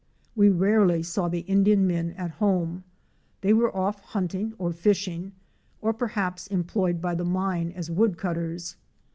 We rarely saw the Indian men at home; they were off hunting, or fishing, or perhaps employed by the mine as woodcutters.